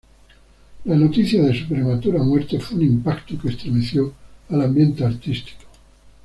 La noticia de su prematura muerte fue un impacto que estremeció al ambiente artístico.